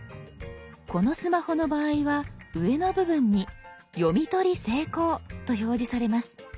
このスマホの場合は上の部分に「読み取り成功」と表示されます。